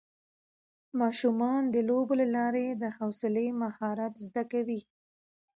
ماشومان د لوبو له لارې د حوصلې مهارت زده کوي